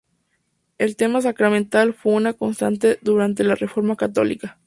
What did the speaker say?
El tema sacramental fue una constante durante la Reforma Católica.